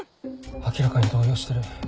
明らかに動揺してる。